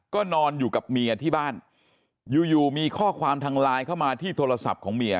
ก็นอนอยู่กับเมียที่บ้านอยู่อยู่มีข้อความทางไลน์เข้ามาที่โทรศัพท์ของเมีย